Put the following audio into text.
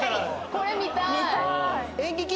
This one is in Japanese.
・これ見たい。